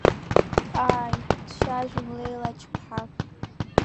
Ааи, дцәажәон Леила Ач-ԥҳа.